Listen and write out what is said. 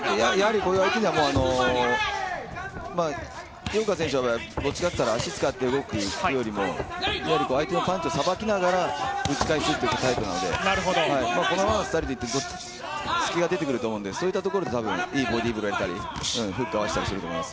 こういう相手には井岡選手の場合、どっちかと言ったら足を使って動くよりも相手のパンチをさばきながら打ち返していくタイプなので、このままのスタイルでいって隙が出てくると思うのでそういったところでいいボディブローだったりフックを合わせたりすると思います。